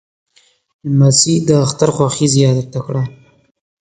لمسی د اختر خوښي زیاته کړي.